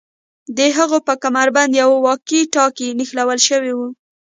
د هغه په کمربند یو واکي ټاکي نښلول شوی و